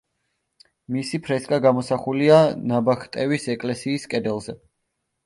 მისი ფრესკა გამოსახულია ნაბახტევის ეკლესიის კედელზე.